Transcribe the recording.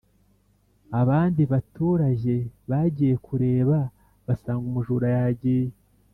Abandi baturajye bagiye kureba, basanga umujura yagiye